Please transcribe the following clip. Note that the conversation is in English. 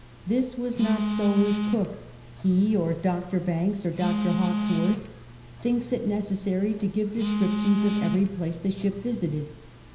This was not so with Cook. He—or Dr. 8o CAPTAIN COON CHAP. Banks, or Dr. Hawkesworth — thinks it necessary to give descriptions of every place the ship visited.